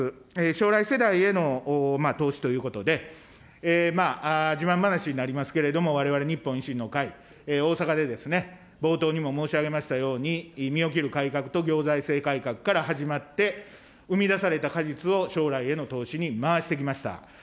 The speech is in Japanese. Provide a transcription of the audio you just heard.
将来世代への投資ということで、自慢話になりますけれども、われわれ日本維新の会、大阪でですね、冒頭にも申し上げましたように、身を切る改革と行財政改革から始まって、生み出された果実を将来への投資に回してきました。